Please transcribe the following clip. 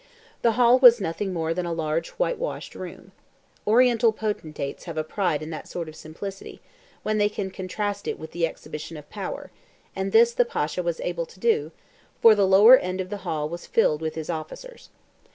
The hall was nothing more than a large whitewashed room. Oriental potentates have a pride in that sort of simplicity, when they can contrast it with the exhibition of power, and this the Pasha was able to do, for the lower end of the hall was filled with his officers.